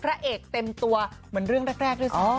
พระเอกเต็มตัวเหมือนเรื่องแรกด้วยซ้ำ